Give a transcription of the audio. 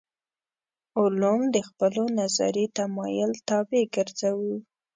علوم د خپلو نظري تمایل طابع ګرځوو.